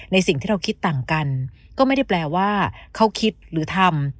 สิ่งที่เราคิดต่างกันก็ไม่ได้แปลว่าเขาคิดหรือทำ